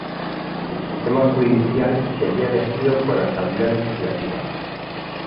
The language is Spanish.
El sistema judicial, sería elegido por la Asamblea Legislativa.